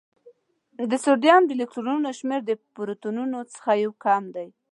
د سوډیم د الکترونونو شمېر د پروتونونو څخه یو کم دی.